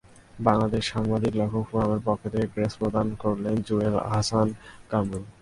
বাংলাদেশ সাংবাদিক লেখক ফোরামের পক্ষ থেকে ক্রেস্ট প্রদান করেন জুয়েল আহসান কামরুল।